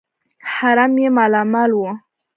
حرم یې مالامال وو.